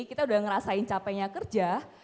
kita sudah merasakan capeknya kerja